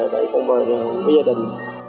chúc ai cũng muốn bệnh nhân mau về về với gia đình